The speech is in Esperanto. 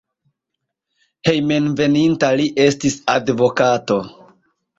Hejmenveninta li estis advokato.